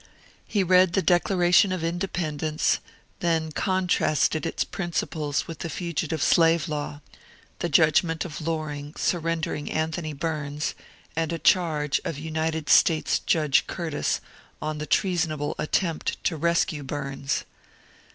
He read the Declaration of Independence ; then con trasted its principles with the Fugitive Slave Law, the judg ment of Loring surrendering Anthony Bums, and a charge of United States Judge Curtis on the '^ treasonable " attempt to rescue Bums.